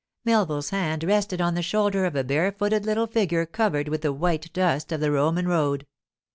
Melville's hand rested on the shoulder of a barefooted little figure covered with the white dust of the Roman road.